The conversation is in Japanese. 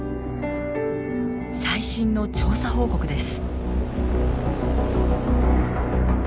最新の調査報告です。